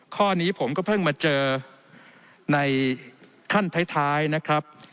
ข้อนี้ผมก็เพิ่งมาเจอในขั้นท้ายนะครับ